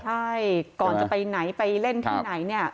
ใช่ก่อนจะไปไหนไปเล่นที่ไหนเนี่ย